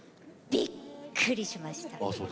びっくりしました。